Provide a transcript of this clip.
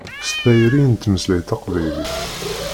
S tayri i nettmeslay taqbaylit.